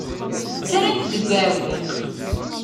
Tettarram-t deg uɛewwiq.